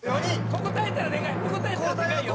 ここ耐えたらでかいよ。